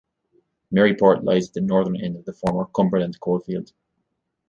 Maryport lies at the northern end of the former Cumberland Coalfield.